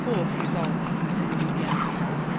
resolved to continue the enterprise.